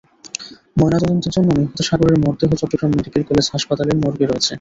ময়নাতদন্তের জন্য নিহত সাগরের মরদেহ চট্টগ্রাম মেডিকেল কলেজ হাসপাতালের মর্গে রয়েছে।